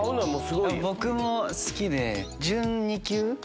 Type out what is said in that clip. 僕も好きで。